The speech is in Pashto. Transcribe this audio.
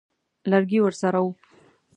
لرګی ورسره وو.